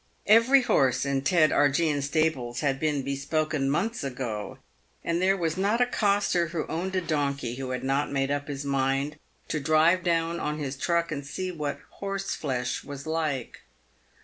Every horse in Ted Argean's stables had been bespoken months ago, and there was not a coster who owned a donkey who had not made up his mind to drive down on his truck and see what horseflesh was like.